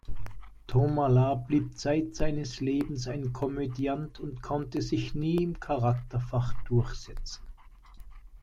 Thomalla blieb zeit seines Lebens ein Komödiant und konnte sich nie im Charakterfach durchsetzen.